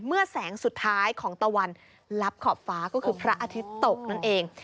แสงสุดท้ายของตะวันลับขอบฟ้าก็คือพระอาทิตย์ตกนั่นเอง